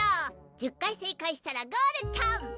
１０回正解したらゴールトン！